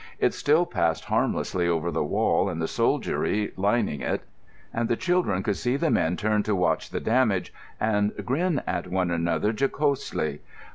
It still passed harmlessly over the wall and the soldiery lining it; and the children could see the men turn to watch the damage and grin at one another jocosely.